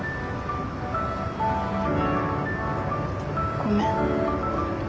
ごめん。